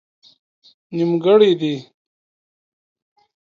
نيمګړئ دي